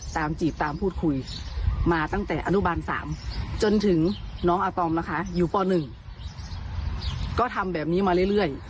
จีบตามพูดคุยมาตั้งแต่อนุบาล๓จนถึงน้องอาตอมนะคะอยู่ป๑ก็ทำแบบนี้มาเรื่อย